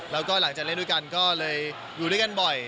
แล้วก็หลังจากเล่นด้วยกันก็เลยอยู่ด้วยกันบ่อย